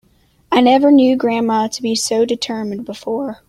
I never knew grandma to be so determined before.